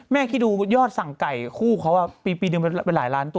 คิดดูยอดสั่งไก่คู่เขาปีหนึ่งเป็นหลายล้านตัว